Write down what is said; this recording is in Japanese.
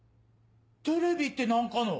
テレビって何かの？